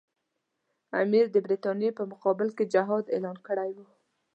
امیر د برټانیې په مقابل کې جهاد اعلان کړی وو.